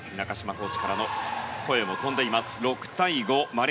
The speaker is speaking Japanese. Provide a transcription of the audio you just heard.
コーチからの声も飛んでいます。